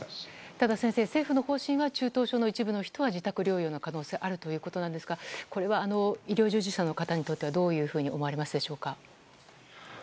ただ、先生、政府の方針は中等症の一部の人は自宅療養の可能性があるということですがこれは医療従事者の方にとってはどういうふうに思われますでしょうか。